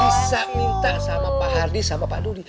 bisa minta sama pak hardi sama pak dudi